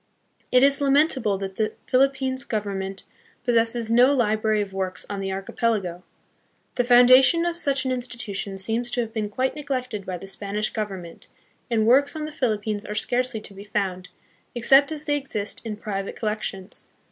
It is lamentable that the Philippines Government pos sesses no library of works on the Archipelago. 1 The foun dation of such an institution seems to have been quite neglected by the Spanish Government, and works on the Philippines are scarcely to be found, except as they exist in private collections.